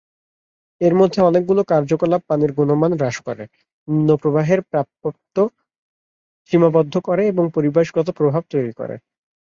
এর মধ্যে অনেকগুলো কার্যকলাপ পানির গুণমান হ্রাস করে, নিম্ন প্রবাহের প্রাপ্যতা সীমাবদ্ধ করে এবং পরিবেশগত প্রভাব তৈরি করে।